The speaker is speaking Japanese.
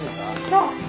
そう。